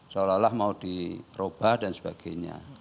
seolah olah mau dirubah dan sebagainya